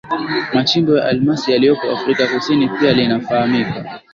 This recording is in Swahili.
machimbo ya almasi yaliyopo Afrika Kusini Pia linafahamika